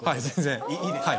いいですか？